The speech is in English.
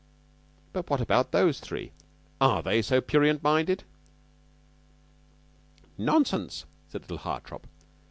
"But about those three. Are they so prurient minded?" "Nonsense," said little Hartopp.